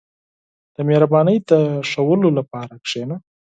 • د مهربانۍ د ښوودلو لپاره کښېنه.